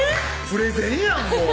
プレゼンやん